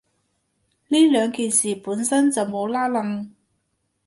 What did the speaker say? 呢兩件事本身就冇拏褦